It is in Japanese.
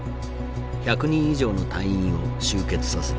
１００人以上の隊員を集結させた。